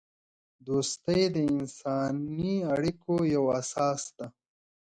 دوستی د انسانی اړیکو یوه اساس ده.